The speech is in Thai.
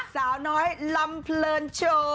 สาวน้อยลำเพลินโชว์